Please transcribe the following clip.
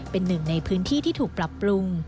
เป็นหนึ่งในพื้นที่ที่ถูกปรับปรุง